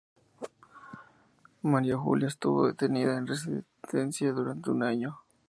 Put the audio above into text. María Julia estuvo detenida en Resistencia durante un año.